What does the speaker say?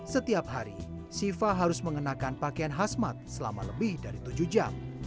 setiap hari siva harus mengenakan pakaian khasmat selama lebih dari tujuh jam